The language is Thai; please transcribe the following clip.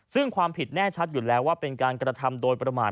ซึ่งความผิดแน่ชัดอยู่แล้วว่าเป็นการกระทำโดยประมาท